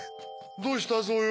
どうしたぞよ？